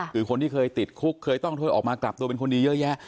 คือคนที่เคยติดคุกเคยต้องโทษออกมากลับตัวเป็นคนดีเยอะแยะ